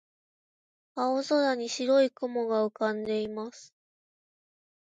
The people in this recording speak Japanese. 青空に白い雲が浮かんでいます。